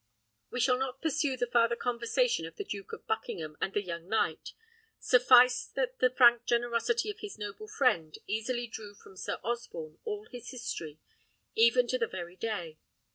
We shall not pursue the farther conversation of the duke of Buckingham and the young knight: suffice that the frank generosity of his noble friend easily drew from Sir Osborne all his history, even to the very day.